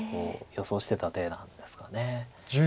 予想してた手なんですかね。